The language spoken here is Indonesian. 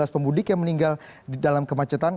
sebelas pemudik yang meninggal dalam kemacetan